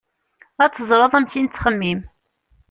Ad teẓreḍ amek i nettxemmim.